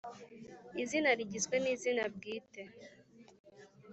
Izina rigizwe n izina bwite